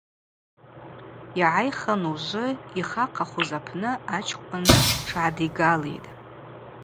Йгӏайхын ужвы йхахъахуз апны ачкӏвын тшгӏадигалитӏ.